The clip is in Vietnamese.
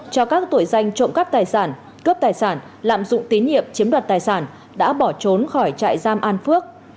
cho các tội danh trộm cắp tài sản cướp tài sản lạm dụng tín nhiệm chiếm đoạt tài sản đã bỏ trốn khỏi trại giam an phước